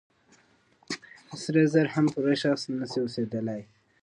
سره زر هم پوره خالص نه شي اوسېدلي.